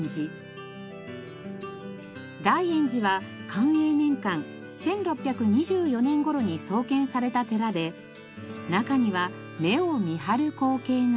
大圓寺は寛永年間１６２４年頃に創建された寺で中には目を見張る光景が。